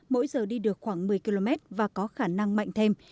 mỗi giờ đi được khoảng một mươi km và có khả năng mạnh thêm